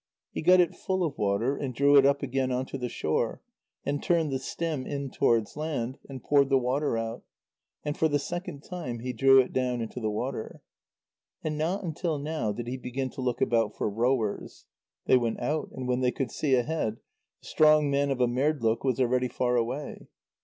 He got it full of water, and drew it up again on to the shore, and turned the stem in towards land and poured the water out, and for the second time he drew it down into the water. And not until now did he begin to look about for rowers. They went out, and when they could see ahead, the strong man of Amerdloq was already far away.